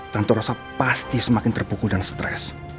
tante rosa pasti semakin terpukul dan stres